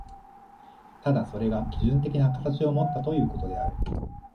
ただそれが基準的な形をもったということである。